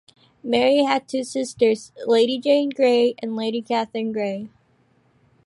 Mary had two sisters, Lady Jane Grey and Lady Catherine Grey.